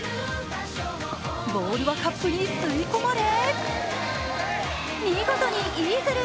ボールはカップに吸い込まれ見事にイーグル。